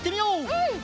うん。